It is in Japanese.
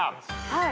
はい。